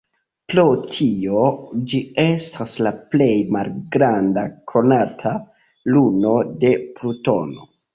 Pro tio, ĝi estas la plej malgranda konata luno de Plutono.